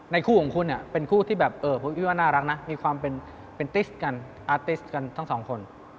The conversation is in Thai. คู่ของคุณเนี่ยเป็นคู่ที่แบบคิดว่าน่ารักนะมีความเป็นติสกันอาร์ติสกันทั้งสองคน